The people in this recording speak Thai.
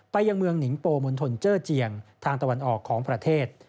ยังเมืองหนิงโปมณฑลเจอร์เจียงทางตะวันออกของประเทศ